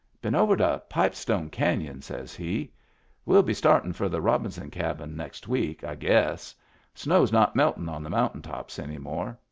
" Been over to Pipestone Caiion," says he. " Well be startin* for the Robinson Cabin next week, I guess. Snow's not meltin'on the mountain tops any more.